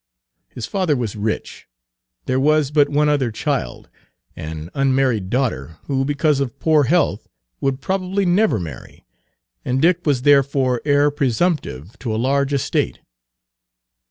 His father was rich; there was but one other child, an unmarried daughter, who because of poor health would probably never marry, and Dick was therefore heir presumptive to a large estate.